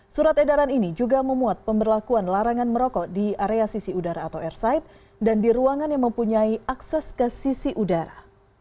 surat edaran ini juga memuat pemberlakuan larangan merokok di area sisi udara atau airside dan di ruangan yang mempunyai akses ke sisi udara